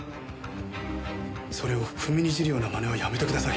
それを踏みにじるような真似はやめてください。